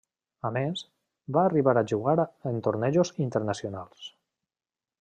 A més, va arribar a jugar en tornejos internacionals.